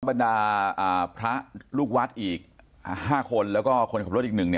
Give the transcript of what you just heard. ปฏิบัณฑาพระลูกวัดอีก๕คนแล้วก็คนของรถอีกอีกหนึ่ง